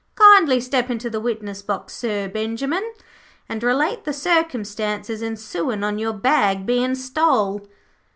'Kindly step into the witness box, Sir Benjimen, and relate the circumstances ensuin' on your bag bein' stole.'